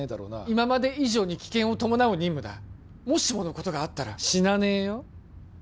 今まで以上に危険を伴う任務だもしものことがあったら死なねえよ